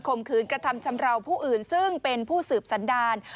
มขืนกระทำชำราวผู้อื่นซึ่งเป็นผู้สืบสันดาร